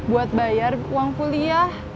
buat bayar uang kuliah